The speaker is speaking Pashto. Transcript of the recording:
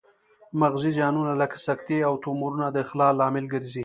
مغزي زیانونه لکه سکتې او تومورونه د اختلال لامل ګرځي